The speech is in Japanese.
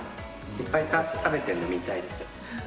いっぱい食べてるの見たい！